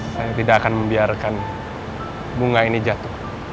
saya tidak akan membiarkan bunga ini jatuh